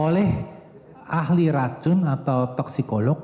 oleh ahli racun atau toksikolog